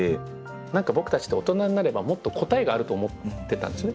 何か僕たちって大人になればもっと答えがあると思ってたんですよね。